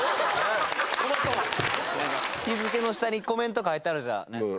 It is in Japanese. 日付の下にコメント書いてあるじゃないですか。